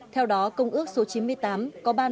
theo đó công ước số chín mươi tám có ba nội dung cơ bản